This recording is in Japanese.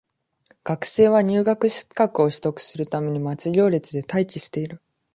学生は、入学資格を取得するために待ち行列で待機している。